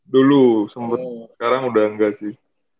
dulu sempat sekarang udah enggak sih